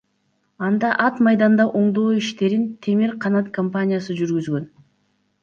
Анда ат майданда оңдоо иштерин Темир Канат компаниясы жүргүзгөн.